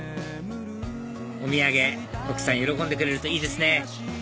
お土産奥さん喜んでくれるといいですね